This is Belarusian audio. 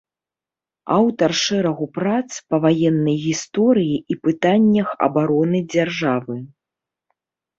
Аўтар шэрагу прац па ваеннай гісторыі і пытаннях абароны дзяржавы.